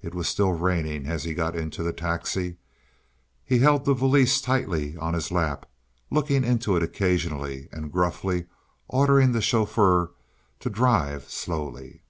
It was still raining as he got into the taxi; he held the valise tightly on his lap, looking into it occasionally and gruffly ordering the chauffeur to drive slowly.